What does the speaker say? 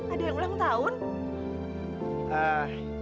ada yang ulang tahun